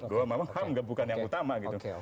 gue memang ham bukan yang utama gitu